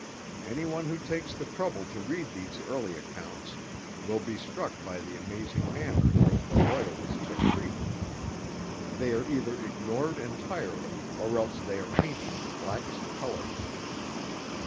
Any one who takes the trouble to read these early accounts will be struck by the amazing manner in which the Loyalists are treated. They are either ignored entirely or else they are painted in the blackest colours.